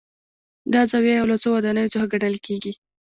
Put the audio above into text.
دا زاویه یو له څو ودانیو څخه ګڼل کېږي.